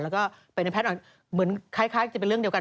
ที่ก็ไปในพัดเหมือนค้ายจะเป็นเรื่องเดียวกัน